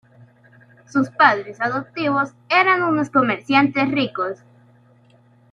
Sus padres adoptivos era unos comerciantes ricos.